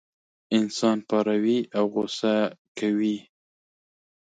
انسان پاروي او غوسه کوي یې.